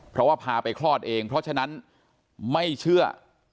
เพราะว่าพาไปคลอดเองเพราะฉะนั้นไม่เชื่อ